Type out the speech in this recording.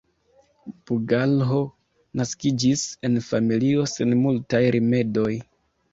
Bugalho naskiĝis en familio sen multaj rimedoj.